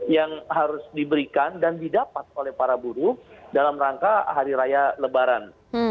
yang harus diberikan dan didapat oleh para buruh dalam rangka hari raya lebaran